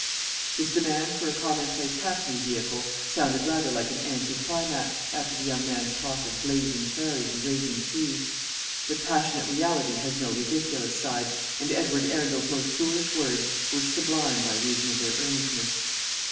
This demand for a commonplace hackney vehicle sounded rather like an anti climax, after the young man's talk of blazing prairies and raging seas; but passionate reality has no ridiculous side, and Edward Arundel's most foolish words were sublime by reason of their earnestness.